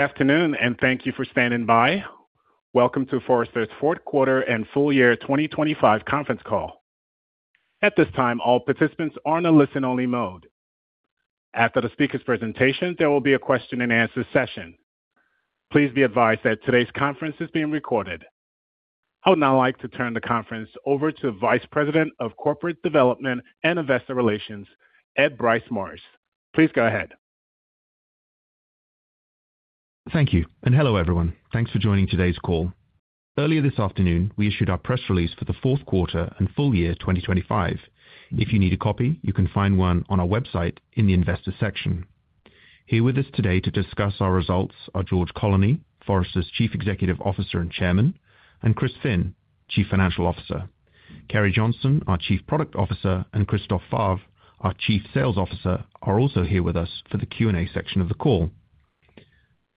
Good afternoon, and thank you for standing by. Welcome to Forrester's fourth quarter and full year 2025 conference call. At this time, all participants are in a listen-only mode. After the speaker's presentation, there will be a question-and-answer session. Please be advised that today's conference is being recorded. I would now like to turn the conference over to Vice President of Corporate Development and Investor Relations, Ed Bryce Morris. Please go ahead. Thank you, and hello, everyone. Thanks for joining today's call. Earlier this afternoon, we issued our press release for the fourth quarter and full year 2025. If you need a copy, you can find one on our website in the investor section. Here with us today to discuss our results are George Colony, Forrester's Chief Executive Officer and Chairman, and Chris Finn, Chief Financial Officer. Carrie Johnson, our Chief Product Officer, and Christophe Favre, our Chief Sales Officer, are also here with us for the Q&A section of the call.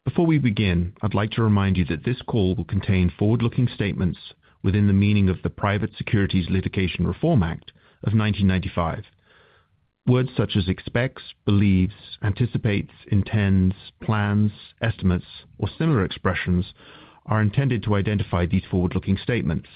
Before we begin, I'd like to remind you that this call will contain forward-looking statements within the meaning of the Private Securities Litigation Reform Act of 1995. Words such as expects, believes, anticipates, intends, plans, estimates, or similar expressions are intended to identify these forward-looking statements.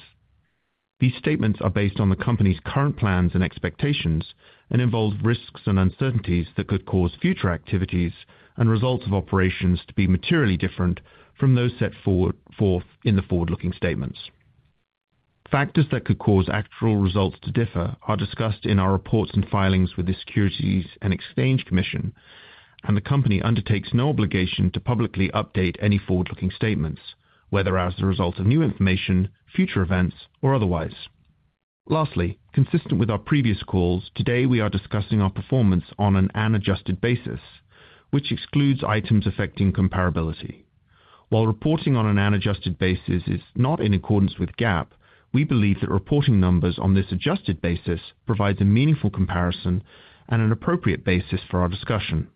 These statements are based on the company's current plans and expectations and involve risks and uncertainties that could cause future activities and results of operations to be materially different from those set forth in the forward-looking statements. Factors that could cause actual results to differ are discussed in our reports and filings with the Securities and Exchange Commission, and the company undertakes no obligation to publicly update any forward-looking statements, whether as a result of new information, future events, or otherwise. Lastly, consistent with our previous calls, today we are discussing our performance on an adjusted basis, which excludes items affecting comparability. While reporting on an adjusted basis is not in accordance with GAAP, we believe that reporting numbers on this adjusted basis provides a meaningful comparison and an appropriate basis for our discussion.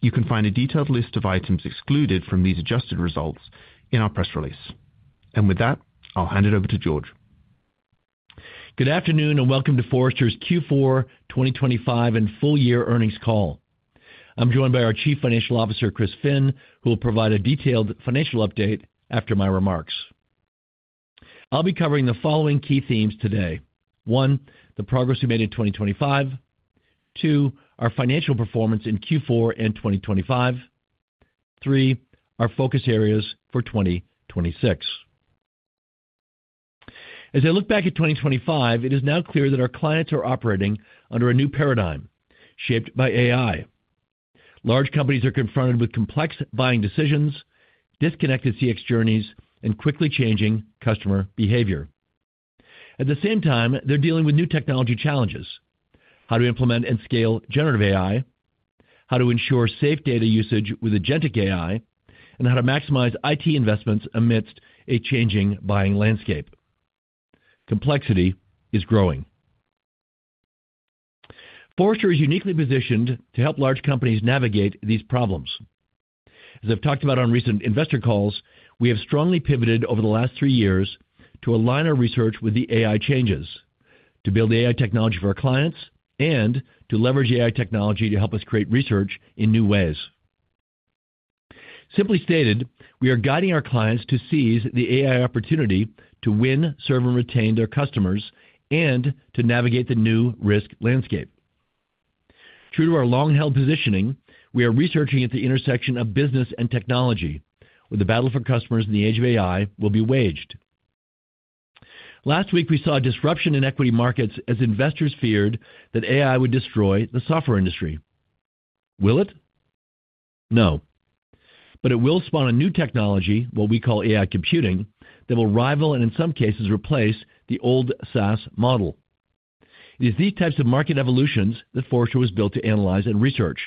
You can find a detailed list of items excluded from these adjusted results in our press release. With that, I'll hand it over to George. Good afternoon, and welcome to Forrester's Q4 2025 and full year earnings call. I'm joined by our Chief Financial Officer, Chris Finn, who will provide a detailed financial update after my remarks. I'll be covering the following key themes today: One, the progress we made in 2025. Two, our financial performance in Q4 and 2025. Three, our focus areas for 2026. As I look back at 2025, it is now clear that our clients are operating under a new paradigm shaped by AI. Large companies are confronted with complex buying decisions, disconnected CX journeys, and quickly changing customer behavior. At the same time, they're dealing with new technology challenges: how to implement and scale generative AI, how to ensure safe data usage with agentic AI, and how to maximize IT investments amidst a changing buying landscape. Complexity is growing. Forrester is uniquely positioned to help large companies navigate these problems. As I've talked about on recent investor calls, we have strongly pivoted over the last three years to align our research with the AI changes, to build AI technology for our clients, and to leverage AI technology to help us create research in new ways. Simply stated, we are guiding our clients to seize the AI opportunity to win, serve, and retain their customers and to navigate the new risk landscape. True to our long-held positioning, we are researching at the intersection of business and technology, where the battle for customers in the age of AI will be waged. Last week, we saw a disruption in equity markets as investors feared that AI would destroy the software industry. Will it? No, but it will spawn a new technology, what we call AI computing, that will rival, and in some cases, replace the old SaaS model. It is these types of market evolutions that Forrester was built to analyze and research,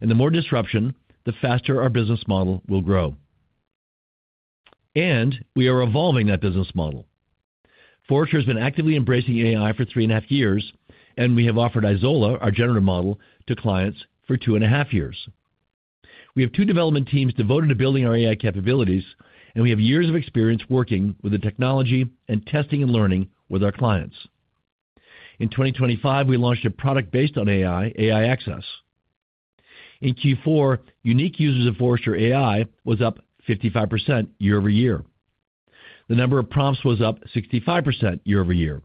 and the more disruption, the faster our business model will grow. And we are evolving that business model. Forrester has been actively embracing AI for three and a half years, and we have offered Izola, our generative model, to clients for two and a half years. We have two development teams devoted to building our AI capabilities, and we have years of experience working with the technology and testing and learning with our clients. In 2025, we launched a product based on AI, AI Access. In Q4, unique users of Forrester AI was up 55% year-over-year. The number of prompts was up 65% year-over-year.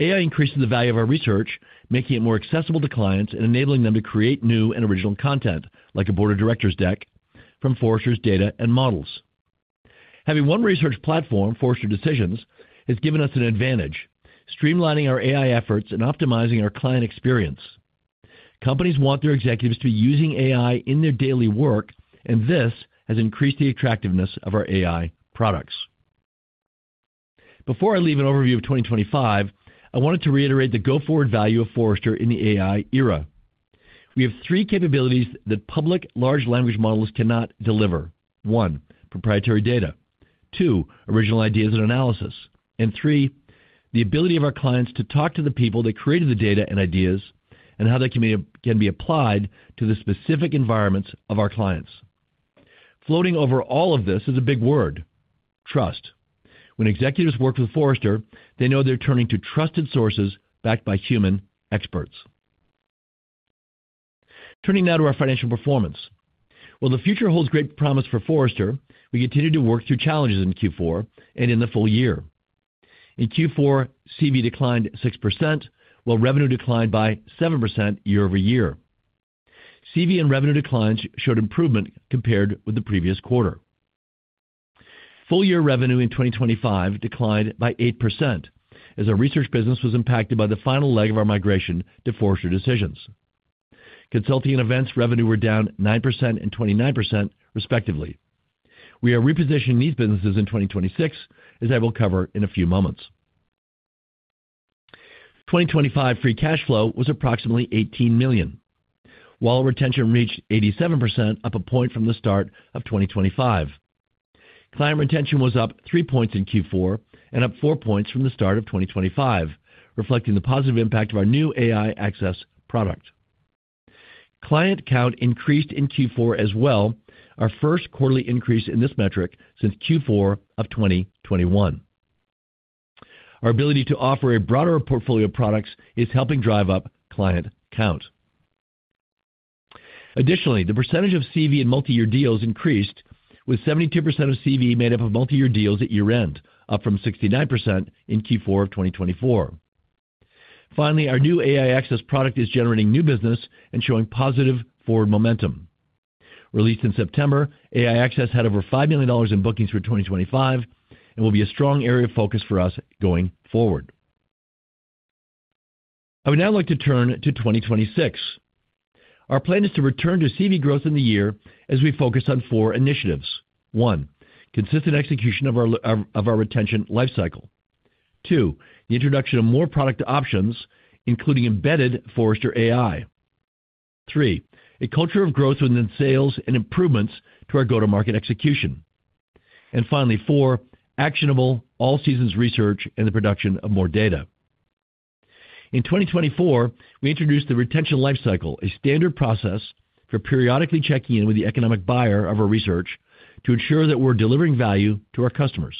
AI increases the value of our research, making it more accessible to clients and enabling them to create new and original content, like a board of directors deck, from Forrester's data and models. Having one research platform, Forrester Decisions, has given us an advantage, streamlining our AI efforts and optimizing our client experience. Companies want their executives to be using AI in their daily work, and this has increased the attractiveness of our AI products. Before I leave an overview of 2025, I wanted to reiterate the go-forward value of Forrester in the AI era. We have three capabilities that public large language models cannot deliver: One, proprietary data. Two, original ideas and analysis, and three, the ability of our clients to talk to the people that created the data and ideas, and how they can be, can be applied to the specific environments of our clients. Floating over all of this is a big word:... Trust. When executives work with Forrester, they know they're turning to trusted sources backed by human experts. Turning now to our financial performance. While the future holds great promise for Forrester, we continue to work through challenges in Q4 and in the full year. In Q4, CV declined 6%, while revenue declined by 7% year-over-year. CV and revenue declines showed improvement compared with the previous quarter. Full-year revenue in 2025 declined by 8%, as our research business was impacted by the final leg of our migration to Forrester Decisions. Consulting and events revenue were down 9% and 29%, respectively. We are repositioning these businesses in 2026, as I will cover in a few moments. 2025 free cash flow was approximately $18 million, while retention reached 87%, up a point from the start of 2025. Client retention was up 3 points in Q4 and up 4 points from the start of 2025, reflecting the positive impact of our new AI Access product. Client count increased in Q4 as well, our first quarterly increase in this metric since Q4 of 2021. Our ability to offer a broader portfolio of products is helping drive up client count. Additionally, the percentage of CV and multi-year deals increased, with 72% of CV made up of multi-year deals at year-end, up from 69% in Q4 of 2024. Finally, our new AI Access product is generating new business and showing positive forward momentum. Released in September, AI Access had over $5 million in bookings for 2025 and will be a strong area of focus for us going forward. I would now like to turn to 2026. Our plan is to return to CV growth in the year as we focus on four initiatives. One, consistent execution of our retention life cycle. Two, the introduction of more product options, including embedded Forrester AI. Three, a culture of growth within sales and improvements to our go-to-market execution. And finally, four, actionable all-seasons research and the production of more data. In 2024, we introduced the retention life cycle, a standard process for periodically checking in with the economic buyer of our research to ensure that we're delivering value to our customers.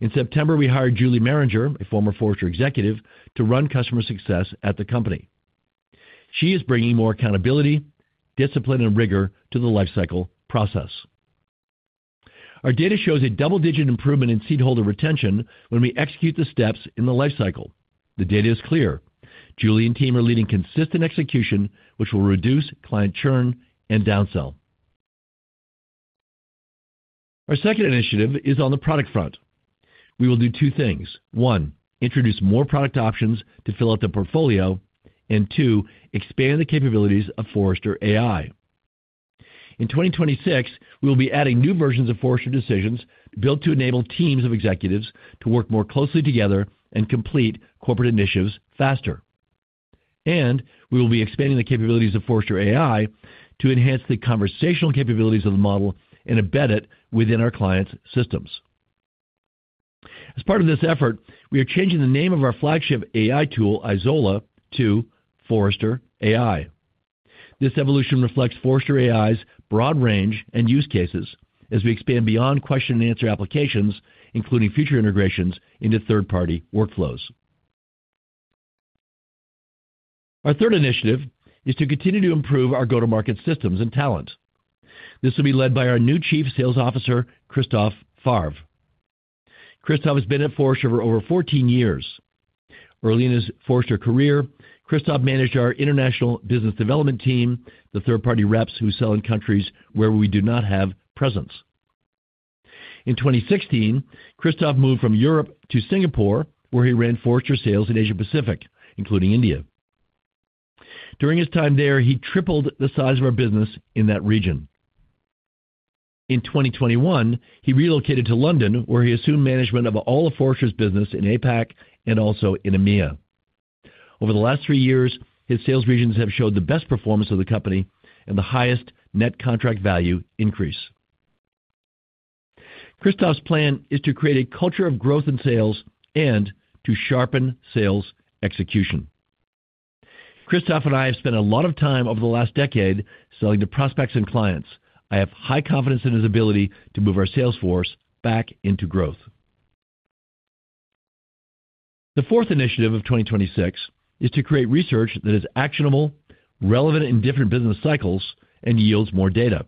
In September, we hired Julie Maringer, a former Forrester executive, to run customer success at the company. She is bringing more accountability, discipline, and rigor to the life cycle process. Our data shows a double-digit improvement in seat holder retention when we execute the steps in the life cycle. The data is clear. Julie and team are leading consistent execution, which will reduce client churn and downsell. Our second initiative is on the product front. We will do two things: One, introduce more product options to fill out the portfolio. Two, expand the capabilities of Forrester AI. In 2026, we will be adding new versions of Forrester Decisions, built to enable teams of executives to work more closely together and complete corporate initiatives faster. We will be expanding the capabilities of Forrester AI to enhance the conversational capabilities of the model and embed it within our clients' systems. As part of this effort, we are changing the name of our flagship AI tool, Izola, to Forrester AI. This evolution reflects Forrester AI's broad range and use cases as we expand beyond question-and-answer applications, including future integrations into third-party workflows. Our third initiative is to continue to improve our go-to-market systems and talent. This will be led by our new Chief Sales Officer, Christophe Favre. Christophe has been at Forrester for over 14 years. Early in his Forrester career, Christophe managed our international business development team, the third-party reps who sell in countries where we do not have presence. In 2016, Christophe moved from Europe to Singapore, where he ran Forrester sales in Asia Pacific, including India. During his time there, he tripled the size of our business in that region. In 2021, he relocated to London, where he assumed management of all of Forrester's business in APAC and also in EMEA. Over the last three years, his sales regions have showed the best performance of the company and the highest net contract value increase. Christophe's plan is to create a culture of growth in sales and to sharpen sales execution. Christophe and I have spent a lot of time over the last decade selling to prospects and clients. I have high confidence in his ability to move our sales force back into growth. The fourth initiative of 2026 is to create research that is actionable, relevant in different business cycles, and yields more data.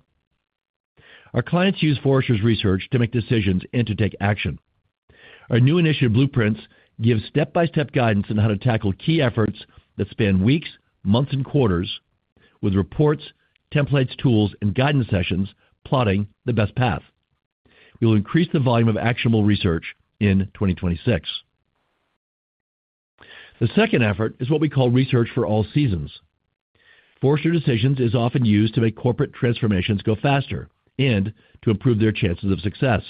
Our clients use Forrester's research to make decisions and to take action. Our new initiative, Blueprints, gives step-by-step guidance on how to tackle key efforts that span weeks, months, and quarters with reports, templates, tools, and guidance sessions, plotting the best path. We will increase the volume of actionable research in 2026. The second effort is what we call Research for All Seasons. Forrester Decisions is often used to make corporate transformations go faster and to improve their chances of success.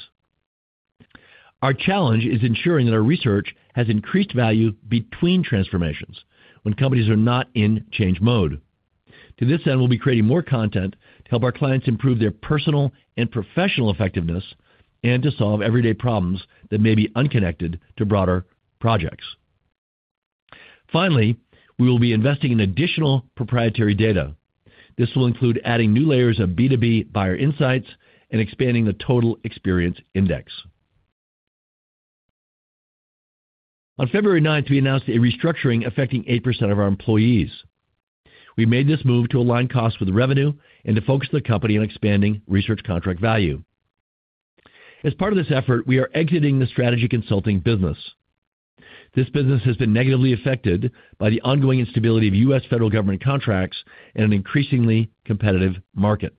Our challenge is ensuring that our research has increased value between transformations when companies are not in change mode. To this end, we'll be creating more content to help our clients improve their personal and professional effectiveness and to solve everyday problems that may be unconnected to broader projects.... Finally, we will be investing in additional proprietary data. This will include adding new layers of B2B buyer insights and expanding the Total Experience index. On February ninth, we announced a restructuring affecting 8% of our employees. We made this move to align costs with revenue and to focus the company on expanding research contract value. As part of this effort, we are exiting the strategy consulting business. This business has been negatively affected by the ongoing instability of U.S. federal government contracts and an increasingly competitive market.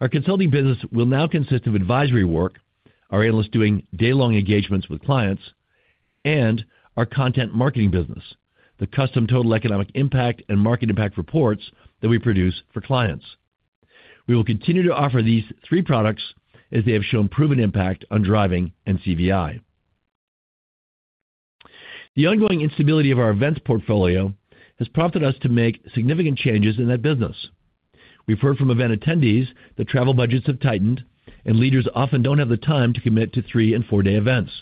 Our consulting business will now consist of advisory work, our analysts doing day-long engagements with clients, and our content marketing business, the custom Total Economic Impact and Market Impact reports that we produce for clients. We will continue to offer these three products as they have shown proven impact on driving CV. The ongoing instability of our events portfolio has prompted us to make significant changes in that business. We've heard from event attendees that travel budgets have tightened and leaders often don't have the time to commit to 3- and 4-day events.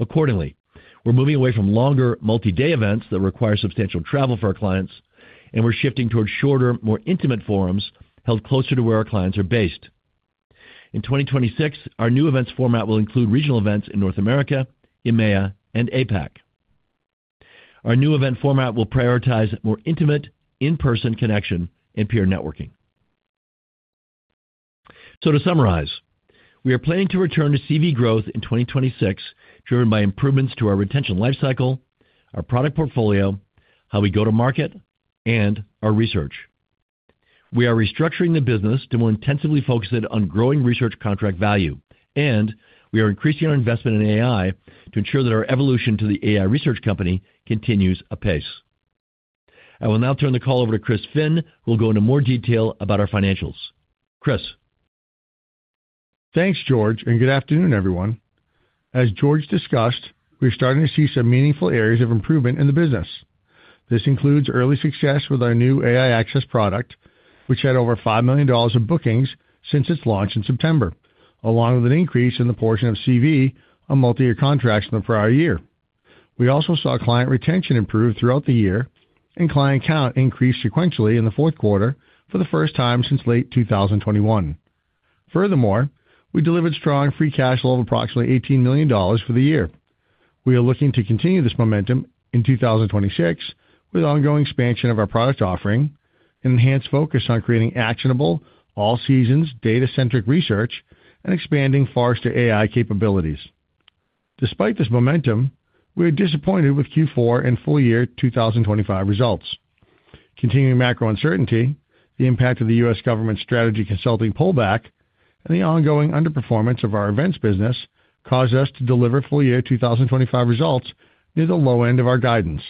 Accordingly, we're moving away from longer, multi-day events that require substantial travel for our clients, and we're shifting towards shorter, more intimate forums held closer to where our clients are based. In 2026, our new events format will include regional events in North America, EMEA, and APAC. Our new event format will prioritize more intimate, in-person connection and peer networking. So to summarize, we are planning to return to CV growth in 2026, driven by improvements to our retention lifecycle, our product portfolio, how we go to market, and our research. We are restructuring the business to more intensively focus it on growing research contract value, and we are increasing our investment in AI to ensure that our evolution to the AI research company continues apace. I will now turn the call over to Chris Finn, who will go into more detail about our financials. Chris? Thanks, George, and good afternoon, everyone. As George discussed, we're starting to see some meaningful areas of improvement in the business. This includes early success with our new AI Access product, which had over $5 million of bookings since its launch in September, along with an increase in the portion of CV on multi-year contracts in the prior year. We also saw client retention improve throughout the year and client count increase sequentially in the fourth quarter for the first time since late 2021. Furthermore, we delivered strong free cash flow of approximately $18 million for the year. We are looking to continue this momentum in 2026, with ongoing expansion of our product offering and enhanced focus on creating actionable, all-seasons, data-centric research and expanding Forrester AI capabilities. Despite this momentum, we are disappointed with Q4 and full year 2025 results. Continuing macro uncertainty, the impact of the US government's strategy consulting pullback, and the ongoing underperformance of our events business caused us to deliver full year 2025 results near the low end of our guidance.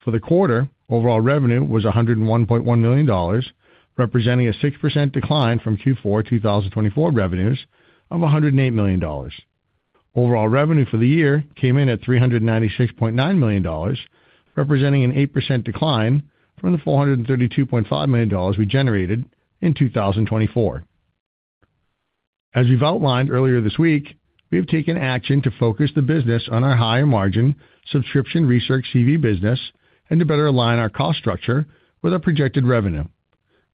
For the quarter, overall revenue was $101.1 million, representing a 6% decline from Q4 2024 revenues of $108 million. Overall revenue for the year came in at $396.9 million, representing an 8% decline from the $432.5 million we generated in 2024. As we've outlined earlier this week, we have taken action to focus the business on our higher-margin subscription research CV business and to better align our cost structure with our projected revenue.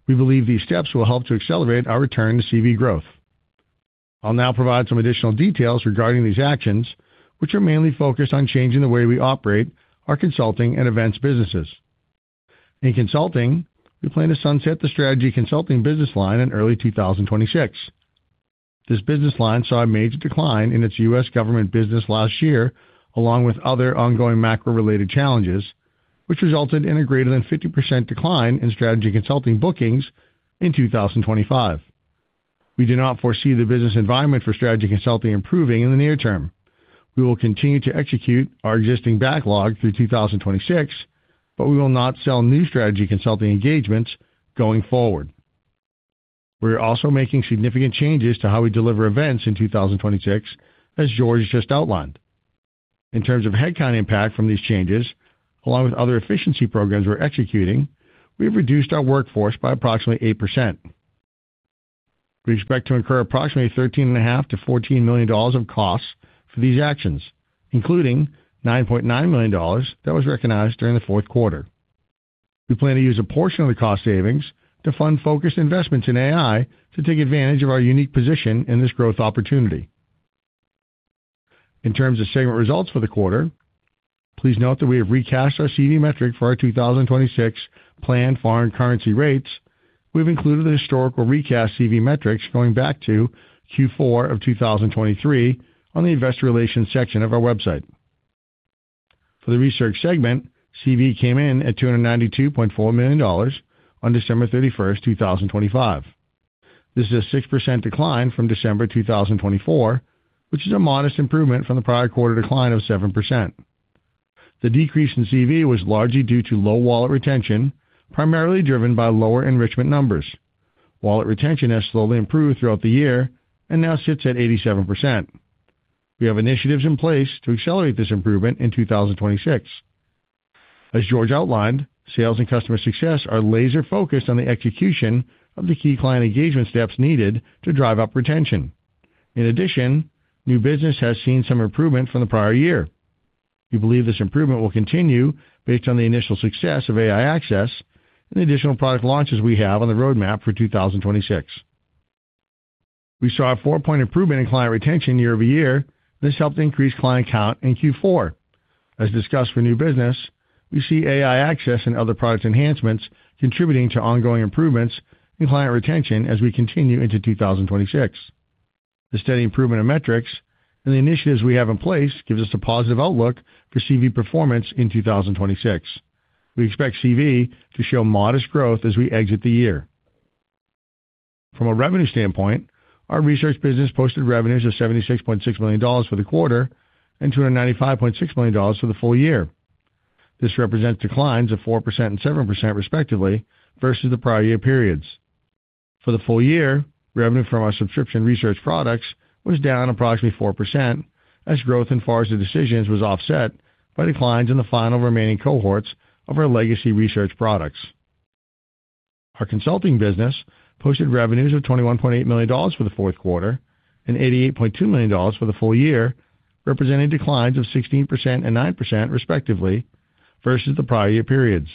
We believe these steps will help to accelerate our return to CV growth. I'll now provide some additional details regarding these actions, which are mainly focused on changing the way we operate our consulting and events businesses. In consulting, we plan to sunset the strategy consulting business line in early 2026. This business line saw a major decline in its U.S. government business last year, along with other ongoing macro-related challenges, which resulted in a greater than 50% decline in strategy consulting bookings in 2025. We do not foresee the business environment for strategy consulting improving in the near term. We will continue to execute our existing backlog through 2026, but we will not sell new strategy consulting engagements going forward. We are also making significant changes to how we deliver events in 2026, as George just outlined. In terms of headcount impact from these changes, along with other efficiency programs we're executing, we've reduced our workforce by approximately 8%. We expect to incur approximately $13.5 million-$14 million of costs for these actions, including $9.9 million that was recognized during the fourth quarter. We plan to use a portion of the cost savings to fund focused investments in AI to take advantage of our unique position in this growth opportunity. In terms of segment results for the quarter, please note that we have recast our CV metric for our 2026 planned foreign currency rates. We've included the historical recast CV metrics going back to Q4 of 2023 on the investor relations section of our website. For the research segment, CV came in at $292.4 million on December 31, 2025. This is a 6% decline from December 2024, which is a modest improvement from the prior quarter decline of 7%. The decrease in CV was largely due to low wallet retention, primarily driven by lower enrichment numbers. Wallet retention has slowly improved throughout the year and now sits at 87%. We have initiatives in place to accelerate this improvement in 2026. As George outlined, sales and customer success are laser-focused on the execution of the key client engagement steps needed to drive up retention. In addition, new business has seen some improvement from the prior year. We believe this improvement will continue based on the initial success of AI Access and the additional product launches we have on the roadmap for 2026. We saw a 4-point improvement in client retention year-over-year. This helped increase client count in Q4. As discussed for new business, we see AI Access and other product enhancements contributing to ongoing improvements in client retention as we continue into 2026. The steady improvement in metrics and the initiatives we have in place gives us a positive outlook for CV performance in 2026. We expect CV to show modest growth as we exit the year. From a revenue standpoint, our research business posted revenues of $76.6 million for the quarter and $295.6 million for the full year. This represents declines of 4% and 7%, respectively, versus the prior year periods. For the full year, revenue from our subscription research products was down approximately 4%, as growth in Forrester Decisions was offset by declines in the final remaining cohorts of our legacy research products. Our consulting business posted revenues of $21.8 million for the fourth quarter and $88.2 million for the full year, representing declines of 16% and 9%, respectively, versus the prior year periods.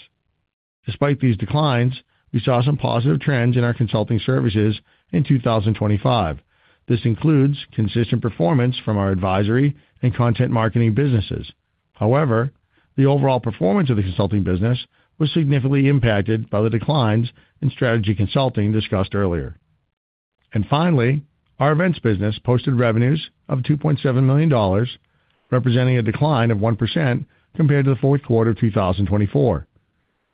Despite these declines, we saw some positive trends in our consulting services in 2025. This includes consistent performance from our advisory and content marketing businesses. However, the overall performance of the consulting business was significantly impacted by the declines in strategy consulting discussed earlier. Finally, our events business posted revenues of $2.7 million, representing a decline of 1% compared to the fourth quarter of 2024.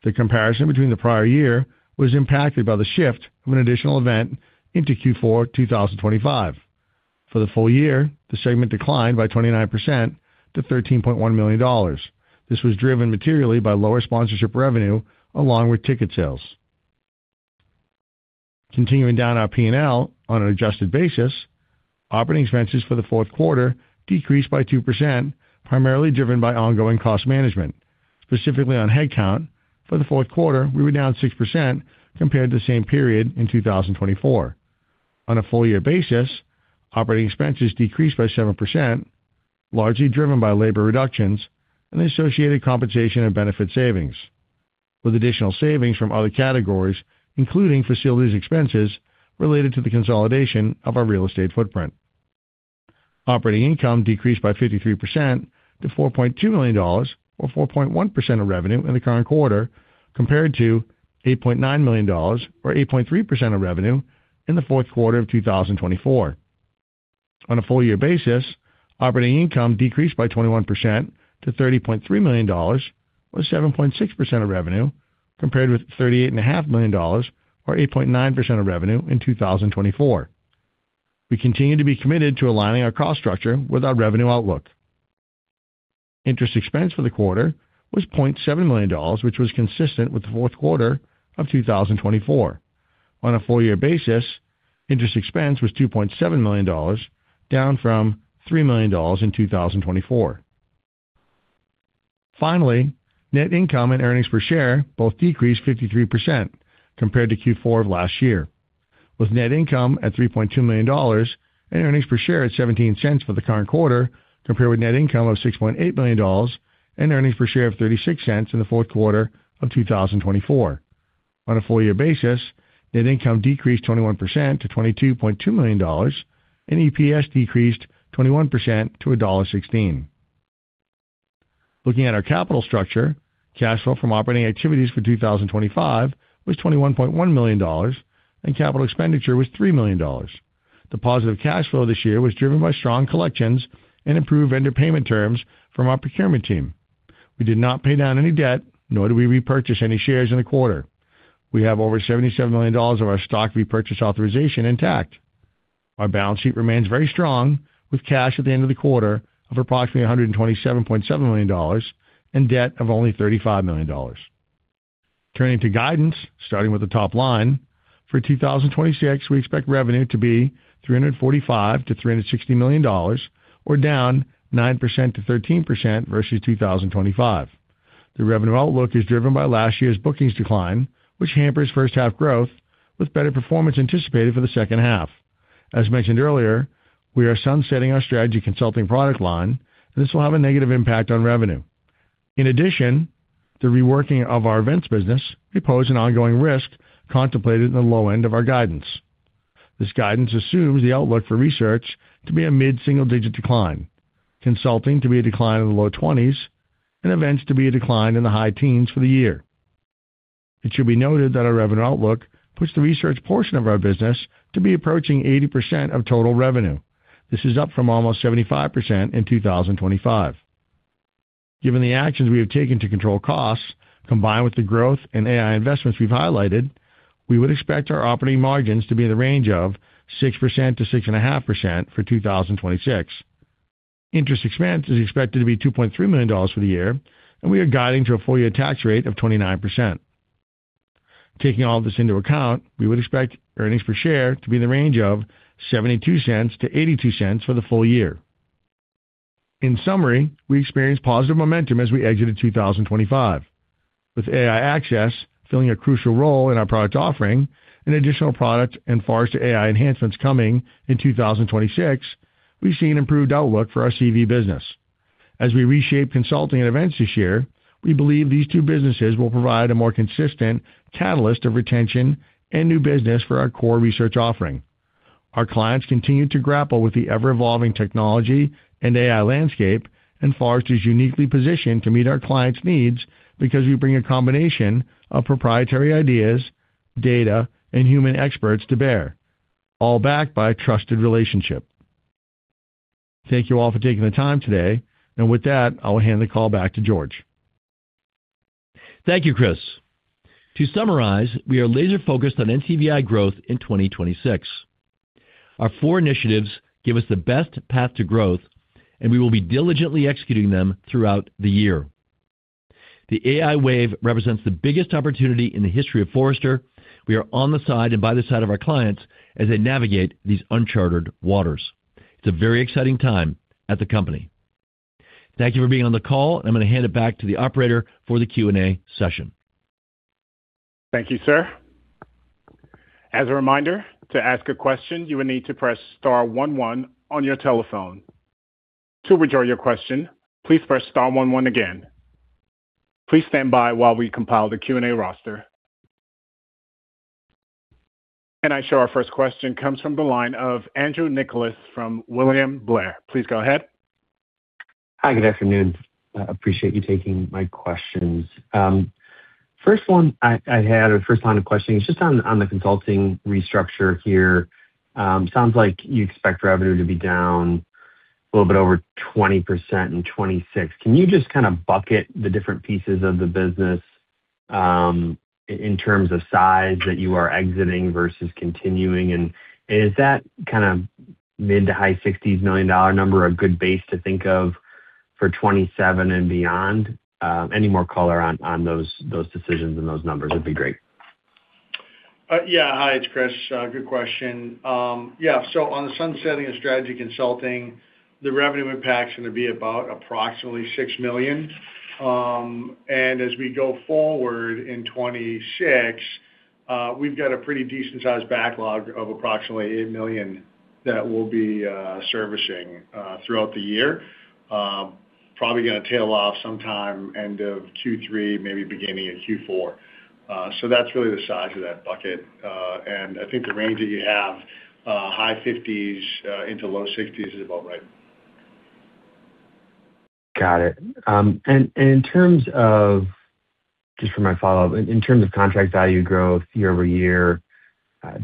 The comparison between the prior year was impacted by the shift of an additional event into Q4 2025. For the full year, the segment declined by 29% to $13.1 million. This was driven materially by lower sponsorship revenue, along with ticket sales. Continuing down our P&L on an adjusted basis, operating expenses for the fourth quarter decreased by 2%, primarily driven by ongoing cost management. Specifically on headcount, for the fourth quarter, we were down 6% compared to the same period in 2024. On a full year basis, operating expenses decreased by 7%, largely driven by labor reductions and associated compensation and benefit savings, with additional savings from other categories, including facilities expenses related to the consolidation of our real estate footprint. Operating income decreased by 53% to $4.2 million, or 4.1% of revenue in the current quarter, compared to $8.9 million or 8.3% of revenue in the fourth quarter of 2024. On a full year basis, operating income decreased by 21% to $30.3 million, or 7.6% of revenue, compared with $38.5 million or 8.9% of revenue in 2024. We continue to be committed to aligning our cost structure with our revenue outlook. Interest expense for the quarter was $0.7 million, which was consistent with the fourth quarter of 2024. On a full year basis, interest expense was $2.7 million, down from $3 million in 2024. Finally, net income and earnings per share both decreased 53% compared to Q4 of last year, with net income at $3.2 million and earnings per share at $0.17 for the current quarter, compared with net income of $6.8 million and earnings per share of $0.36 in the fourth quarter of 2024. On a full year basis, net income decreased 21% to $22.2 million, and EPS decreased 21% to $1.16. Looking at our capital structure, cash flow from operating activities for 2025 was $21.1 million, and capital expenditure was $3 million. The positive cash flow this year was driven by strong collections and improved vendor payment terms from our procurement team. We did not pay down any debt, nor do we repurchase any shares in the quarter. We have over $77 million of our stock repurchase authorization intact. Our balance sheet remains very strong, with cash at the end of the quarter of approximately $127.7 million and debt of only $35 million. Turning to guidance, starting with the top line, for 2026, we expect revenue to be $345 million-$360 million, or down 9%-13% versus 2025. The revenue outlook is driven by last year's bookings decline, which hampers first half growth, with better performance anticipated for the second half. As mentioned earlier, we are sunsetting our strategy consulting product line, and this will have a negative impact on revenue. In addition, the reworking of our events business may pose an ongoing risk contemplated in the low end of our guidance. This guidance assumes the outlook for research to be a mid-single-digit decline, consulting to be a decline in the low twenties, and events to be a decline in the high teens for the year. It should be noted that our revenue outlook puts the research portion of our business to be approaching 80% of total revenue. This is up from almost 75% in 2025. Given the actions we have taken to control costs, combined with the growth in AI investments we've highlighted, we would expect our operating margins to be in the range of 6%-6.5% for 2026. Interest expense is expected to be $2.3 million for the year, and we are guiding to a full year tax rate of 29%.... Taking all this into account, we would expect earnings per share to be in the range of $0.72-$0.82 for the full year. In summary, we experienced positive momentum as we exited 2025, with AI Access filling a crucial role in our product offering and additional product and Forrester AI enhancements coming in 2026, we've seen improved outlook for our CV business. As we reshape consulting and events this year, we believe these two businesses will provide a more consistent catalyst of retention and new business for our core research offering. Our clients continue to grapple with the ever-evolving technology and AI landscape, and Forrester is uniquely positioned to meet our clients' needs because we bring a combination of proprietary ideas, data, and human experts to bear, all backed by a trusted relationship. Thank you all for taking the time today, and with that, I'll hand the call back to George. Thank you, Chris. To summarize, we are laser-focused on NCVI growth in 2026. Our four initiatives give us the best path to growth, and we will be diligently executing them throughout the year. The AI wave represents the biggest opportunity in the history of Forrester. We are on the side and by the side of our clients as they navigate these uncharted waters. It's a very exciting time at the company. Thank you for being on the call. I'm going to hand it back to the operator for the Q&A session. Thank you, sir. As a reminder, to ask a question, you will need to press star one one on your telephone. To withdraw your question, please press star one one again. Please stand by while we compile the Q&A roster. And I show our first question comes from the line of Andrew Nicholas from William Blair. Please go ahead. Hi, good afternoon. I appreciate you taking my questions. First one, I had, or first line of questioning is just on the consulting restructure here. Sounds like you expect revenue to be down a little bit over 20% in 2026. Can you just kind of bucket the different pieces of the business, in terms of size that you are exiting versus continuing? And is that kind of mid- to high-60s $ million number, a good base to think of for 2027 and beyond? Any more color on those decisions and those numbers would be great. Yeah. Hi, it's Chris. Good question. Yeah, so on the sunsetting of strategy consulting, the revenue impact is going to be about approximately $6 million. And as we go forward in 2026, we've got a pretty decent sized backlog of approximately $8 million that we'll be servicing throughout the year. Probably going to tail off sometime end of Q3, maybe beginning in Q4. So that's really the size of that bucket. And I think the range that you have, high 50s into low 60s is about right. Got it. And in terms of, just for my follow-up, in terms of contract value growth year-over-year,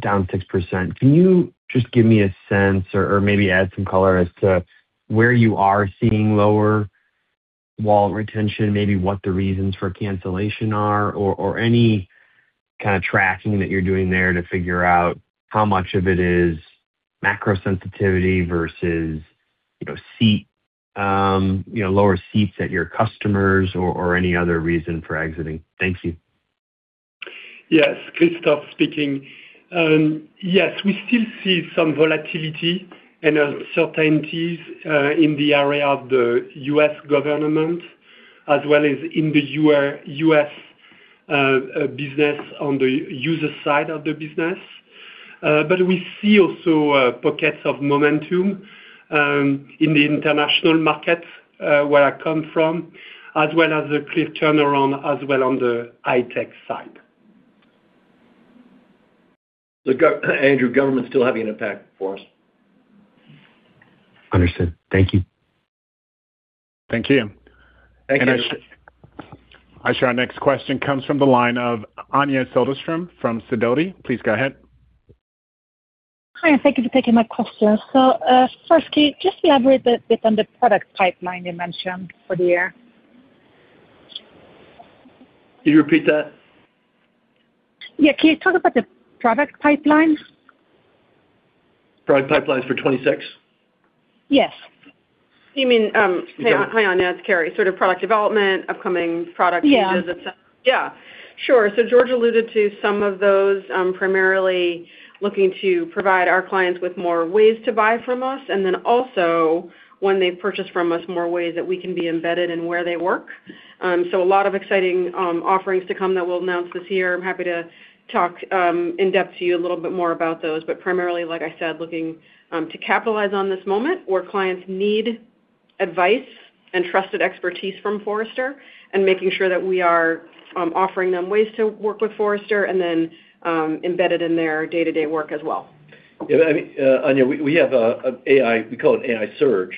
down 6%, can you just give me a sense or maybe add some color as to where you are seeing lower wallet retention, maybe what the reasons for cancellation are, or any kind of tracking that you're doing there to figure out how much of it is macro sensitivity versus, you know, seat, you know, lower seats at your customers or any other reason for exiting? Thank you. Yes, Christophe speaking. Yes, we still see some volatility and uncertainties in the area of the U.S. government as well as in the U.S. business, on the user side of the business. But we see also pockets of momentum in the international market, where I come from, as well as a clear turnaround as well on the high-tech side. Look, Andrew, government's still having an impact for us. Understood. Thank you. Thank you. Thank you. Our next question comes from the line of Anja Soderstrom from Sidoti. Please go ahead. Hi, and thank you for taking my question. So, first, can you just elaborate a bit on the product pipeline you mentioned for the year? Can you repeat that? Yeah. Can you talk about the product pipelines? Product pipelines for 26? Yes. You mean, hi, Anya, it's Carrie. Sort of product development, upcoming product changes? Yeah. Yeah, sure. So George alluded to some of those, primarily looking to provide our clients with more ways to buy from us, and then also when they purchase from us, more ways that we can be embedded in where they work. So a lot of exciting offerings to come that we'll announce this year. I'm happy to talk in depth to you a little bit more about those, but primarily, like I said, looking to capitalize on this moment where clients need advice and trusted expertise from Forrester and making sure that we are offering them ways to work with Forrester and then embedded in their day-to-day work as well. Yeah, I mean, Anya, we have a AI, we call it AI Surge,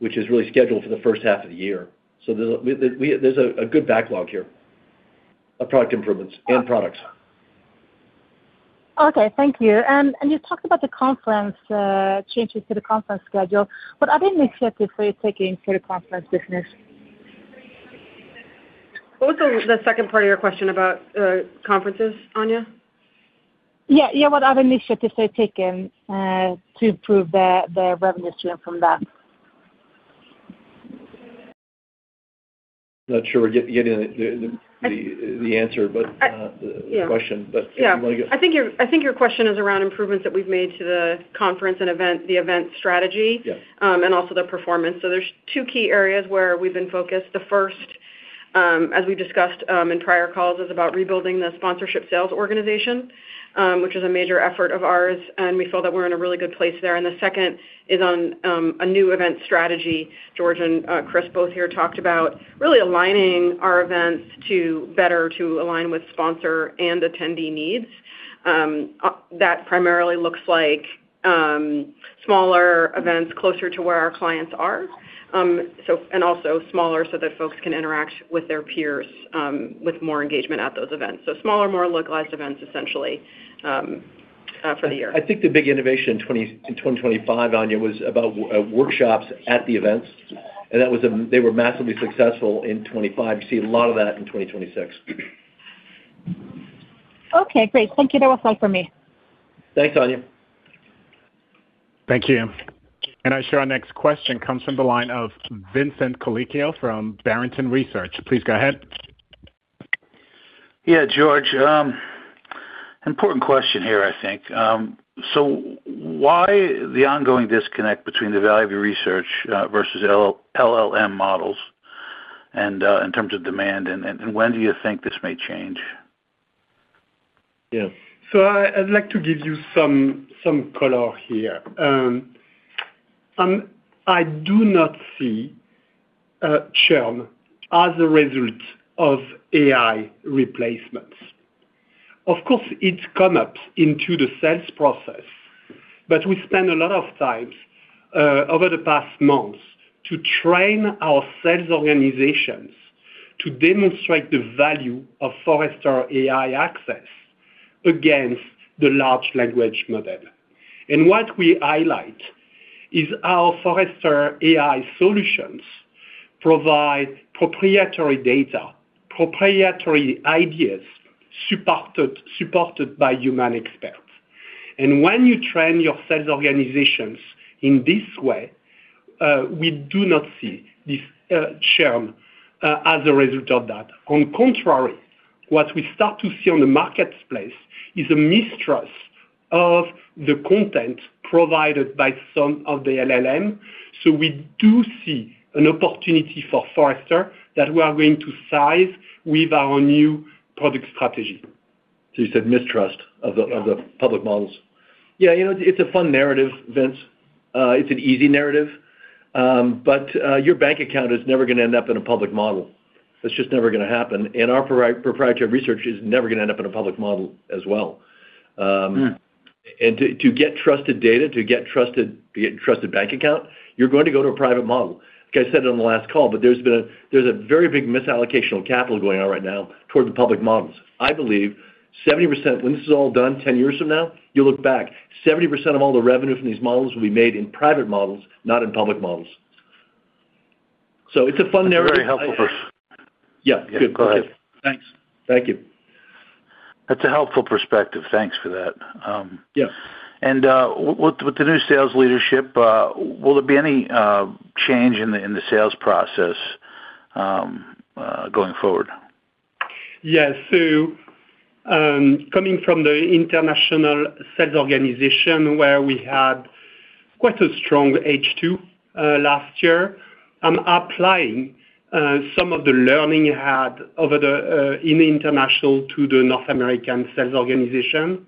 which is really scheduled for the first half of the year. So there, there's a good backlog here of product improvements and products. Okay, thank you. And you talked about the conference changes to the conference schedule, but are there any initiatives you're taking for the conference business? What was the second part of your question about conferences, Anya? Yeah, yeah. What other initiatives are you taking to improve the revenue stream from that?... Not sure we're getting the answer, but- Yeah. the question. But Yeah. You want to go? I think your question is around improvements that we've made to the event strategy- Yes. and also the performance. So there's two key areas where we've been focused. The first, as we've discussed, in prior calls, is about rebuilding the sponsorship sales organization, which is a major effort of ours, and we feel that we're in a really good place there. And the second is on, a new event strategy. George and, Chris, both here, talked about really aligning our events to better to align with sponsor and attendee needs. That primarily looks like, smaller events closer to where our clients are. So, and also smaller so that folks can interact with their peers, with more engagement at those events. So smaller, more localized events, essentially, for the year. I think the big innovation in 2025, Anya, was about workshops at the events, and that was they were massively successful in 2025. You see a lot of that in 2026. Okay, great. Thank you. That was all for me. Thanks, Anya. Thank you. I show our next question comes from the line of Vincent Colicchio from Barrington Research. Please go ahead. Yeah, George, important question here, I think. So why the ongoing disconnect between the value of your research versus LLM models, and in terms of demand, and when do you think this may change? Yes. So I'd like to give you some color here. I do not see churn as a result of AI replacements. Of course, it's come up into the sales process, but we spent a lot of time over the past months to train our sales organizations to demonstrate the value of Forrester AI Access against the large language model. And what we highlight is our Forrester AI solutions provide proprietary data, proprietary ideas, supported by human experts. And when you train your sales organizations in this way, we do not see this churn as a result of that. On the contrary, what we start to see on the marketplace is a mistrust of the content provided by some of the LLM. So we do see an opportunity for Forrester, that we are going to size with our new product strategy. So you said mistrust of the- Yeah... of the public models? Yeah, you know, it's a fun narrative, Vince. It's an easy narrative, but your bank account is never going to end up in a public model. That's just never going to happen, and our proprietary research is never going to end up in a public model as well. Mm. To get trusted data, to get trusted bank account, you're going to go to a private model. Like I said, on the last call, but there's been a—there's a very big misallocation of capital going on right now toward the public models. I believe 70%, when this is all done 10 years from now, you'll look back, 70% of all the revenue from these models will be made in private models, not in public models. So it's a fun narrative. Very helpful for- Yeah, good. Go ahead. Thanks. Thank you. That's a helpful perspective. Thanks for that. Yeah. With the new sales leadership, will there be any change in the sales process going forward? Yes. So, coming from the international sales organization, where we had quite a strong H2 last year, I'm applying some of the learning I had over the in international to the North American sales organization.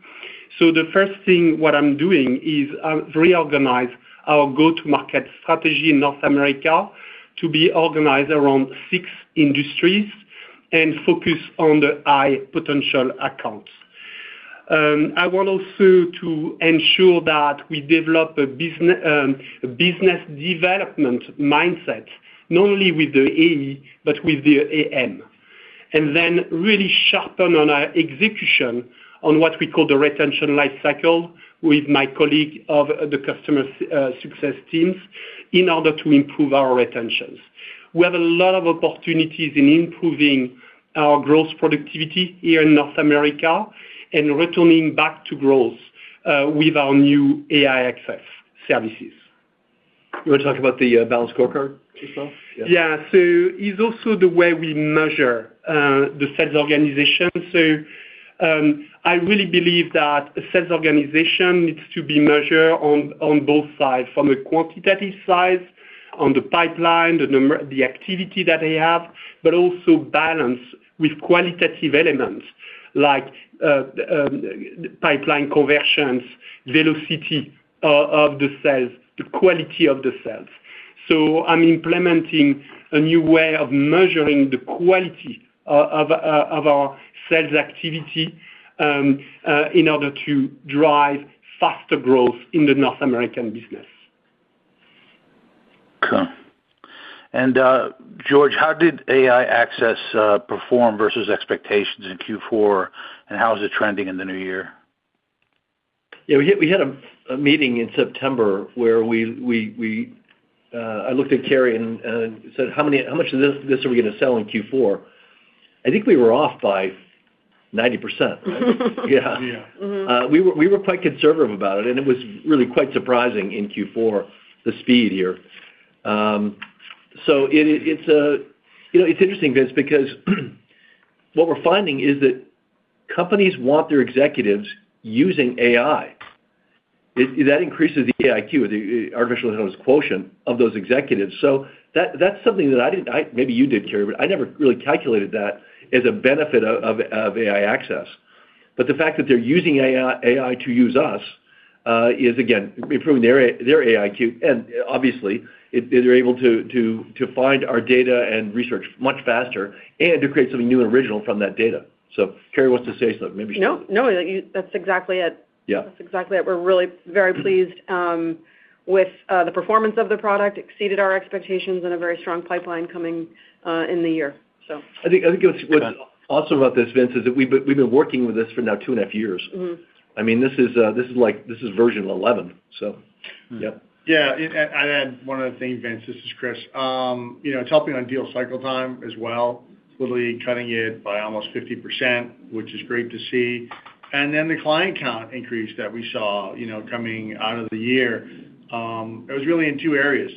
So the first thing what I'm doing is I've reorganized our go-to-market strategy in North America to be organized around six industries and focus on the high potential accounts. I want also to ensure that we develop a business development mindset, not only with the AE, but with the AM. And then really sharpen on our execution on what we call the retention life cycle with my colleague of the customer success teams, in order to improve our retentions. We have a lot of opportunities in improving our growth productivity here in North America and returning back to growth with our new AI Access services. You want to talk about the balanced scorecard as well? Yeah. Yeah. So it's also the way we measure the sales organization. So I really believe that a sales organization needs to be measured on both sides, from a quantitative side, on the pipeline, the activity that they have, but also balance with qualitative elements like pipeline conversions, velocity of the sales, the quality of the sales. So I'm implementing a new way of measuring the quality of our sales activity in order to drive faster growth in the North American business. Okay. And, George, how did AI Access perform versus expectations in Q4, and how is it trending in the new year? Yeah, we had a meeting in September where I looked at Carrie and said: "How much of this are we going to sell in Q4?" I think we were off by 90%. Yeah. Yeah. We were quite conservative about it, and it was really quite surprising in Q4, the speed here. You know, it's interesting, guys, because what we're finding is that companies want their executives using AI. That increases the AIQ, the artificial intelligence quotient, of those executives. So that's something that I didn't—maybe you did, Carrie, but I never really calculated that as a benefit of AI Access. But the fact that they're using AI to use us is again improving their AIQ, and obviously they're able to find our data and research much faster, and to create something new and original from that data. So Carrie wants to say something, maybe she- No, no, you-- that's exactly it. Yeah. That's exactly it. We're really very pleased with the performance of the product, exceeded our expectations and a very strong pipeline coming in the year, so. I think what's also about this, Vince, is that we've been working with this for now 2.5 years. Mm-hmm. I mean, this is, this is like... This is version eleven, so yep. Yeah, and I add one other thing, Vince, this is Chris. You know, it's helping on deal cycle time as well, literally cutting it by almost 50%, which is great to see. And then the client count increase that we saw, you know, coming out of the year, it was really in two areas.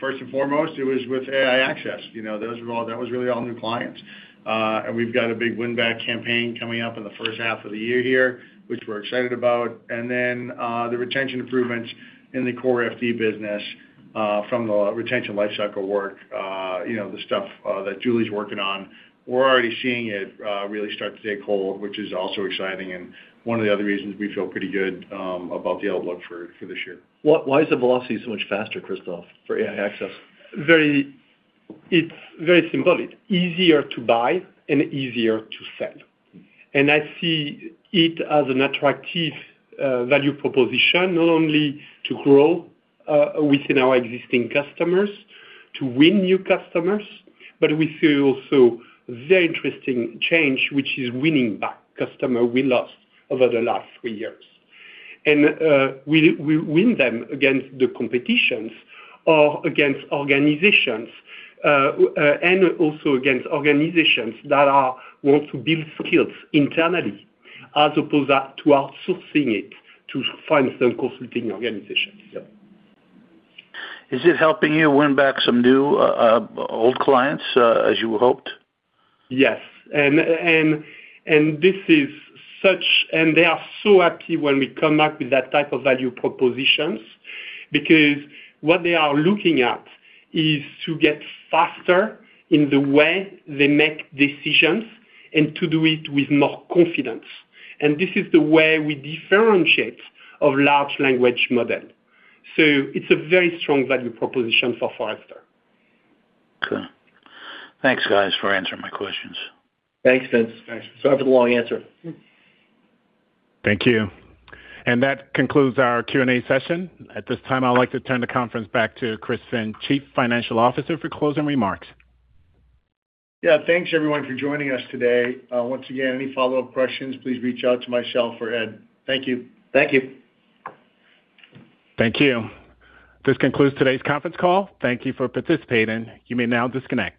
First and foremost, it was with AI Access, you know, those were all- that was really all new clients. And we've got a big win-back campaign coming up in the first half of the year here, which we're excited about. And then, the retention improvements in the core FD business, from the retention lifecycle work, you know, the stuff, that Julie's working on. We're already seeing it really start to take hold, which is also exciting and one of the other reasons we feel pretty good about the outlook for, for this year. Why is the velocity so much faster, Christophe, for AI Access? It's very simple. It's easier to buy and easier to sell. And I see it as an attractive value proposition, not only to grow within our existing customers, to win new customers, but we see also very interesting change, which is winning back customer we lost over the last three years. And we win them against the competitions or against organizations, and also against organizations that want to build skills internally, as opposed to outsourcing it, to find some consulting organizations, yeah. Is it helping you win back some new, old clients, as you hoped? Yes, and this is such... And they are so happy when we come back with that type of value propositions, because what they are looking at is to get faster in the way they make decisions and to do it with more confidence. And this is the way we differentiate from large language model. So it's a very strong value proposition for Forrester. Okay. Thanks, guys, for answering my questions. Thanks, Vince. Thanks. Sorry for the long answer. Thank you. And that concludes our Q&A session. At this time, I'd like to turn the conference back to Chris Finn, Chief Financial Officer, for closing remarks. Yeah, thanks everyone for joining us today. Once again, any follow-up questions, please reach out to myself or Ed. Thank you. Thank you. Thank you. This concludes today's conference call. Thank you for participating. You may now disconnect.